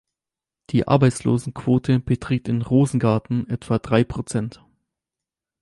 Die Arbeitslosenquote beträgt in Rosengarten etwa drei Prozent.